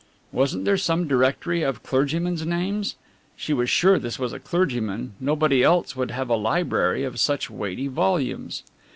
Wasn't there some directory of clergymen's names? she was sure this was a clergyman, nobody else would have a library of such weighty volumes.